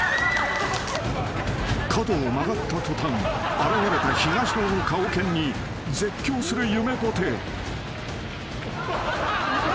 ［角を曲がった途端現れた東野の顔犬に絶叫するゆめぽて］